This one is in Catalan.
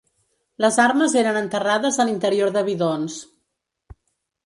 Les armes eren enterrades a l’interior de bidons.